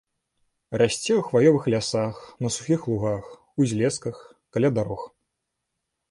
Расце ў хваёвых лясах, на сухіх лугах, узлесках, каля дарог.